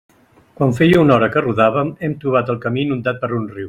Quan feia una hora que rodàvem, hem trobat el camí inundat per un riu.